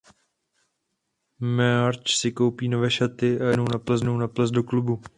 Marge si koupí nové šaty a jede s rodinou na ples do klubu.